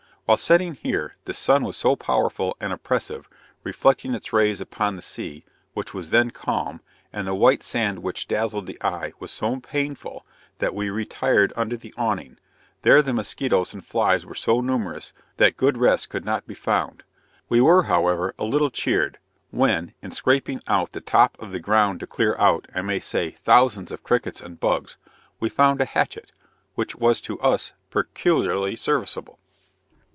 While setting here, the sun was so powerful and oppressive, reflecting its rays upon the sea, which was then calm, and the white sand which dazzled the eye, was so painful, that we retired under the awning; there the moschetoes and flies were so numerous, that good rest could not be found. We were, however, a little cheered, when, in scraping out the top of the ground to clear out, I may say, thousands of crickets and bugs, we found a hatchet, which was to us peculiarly serviceable.